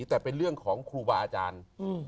แต่เป็นเรื่องของครูบาอาจารย์